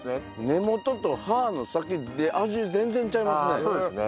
根元と葉の先で味全然ちゃいますね。